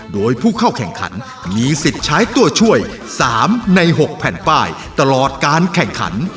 โดยผู้เข้าแข่งขันมีสิทธิ์ใช้ตัวช่วย๓ใน๖แผ่นป้ายตลอดการแข่งขัน